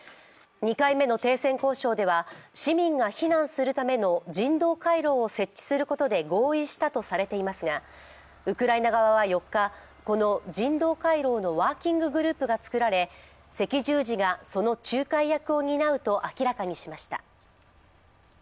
２回目の停戦交渉では市民が避難するための人道回廊を設置することで合意したとされていますが、ウクライナ側は４日、この人道回廊のワーキンググループがつくられ、赤十字がその仲介役を担うと明らかにしました。